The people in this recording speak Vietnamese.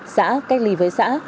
xã cách ly với xã